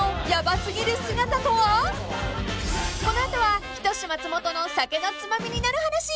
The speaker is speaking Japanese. ［この後は『人志松本の酒のツマミになる話』］